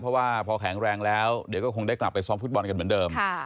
เพราะว่าพอแข็งแรงแล้วเดี๋ยวก็คงได้กลับไปซ้อมฟุตบอลกันเหมือนเดิม